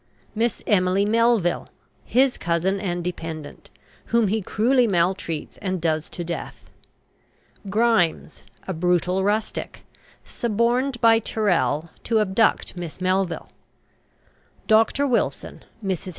MISS EMILY MELVILLE, his cousin and dependent, whom he cruelly maltreats and does to death. GRIMES, a brutal rustic, suborned by Tyrrel to abduct Miss Melville. DR. WILSON; MRS.